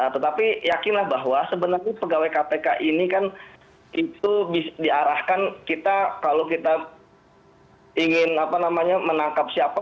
tetapi yakinlah bahwa sebenarnya pegawai kpk ini kan itu diarahkan kita kalau kita ingin menangkap siapa